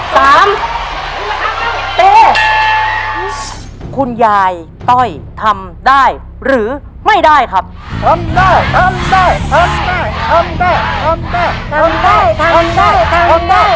สามแต่คุณยายต้อยทำได้หรือไม่ได้ครับทำได้ทำได้ทำได้